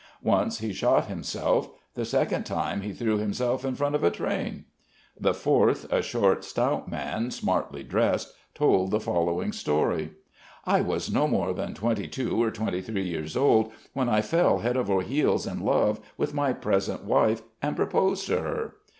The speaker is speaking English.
Once he shot himself; the second time he threw himself in front of a train. The fourth, a short, stout man, smartly dressed, told the following story: "I was no more than twenty two or twenty three years old, when I fell head over heels in love with my present wife and proposed to her.